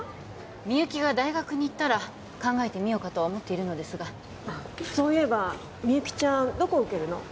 みゆきが大学に行ったら考えてみようかとは思っているのですがそういえばみゆきちゃんどこ受けるの？